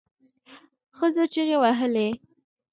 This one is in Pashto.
ښځو چیغې وهلې.